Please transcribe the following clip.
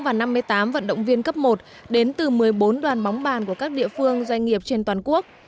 và năm mươi tám vận động viên cấp một đến từ một mươi bốn đoàn bóng bàn của các địa phương doanh nghiệp trên toàn quốc